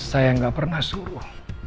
saya gak pernah suruh